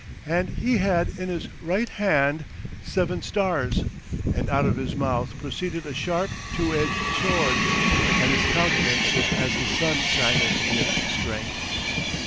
And He had in His right hand seven stars; and out of His mouth proceeded a sharp two edged sword; and His countenance was as the sun shineth in its strength.